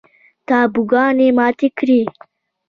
تابوگانې ماتې کړي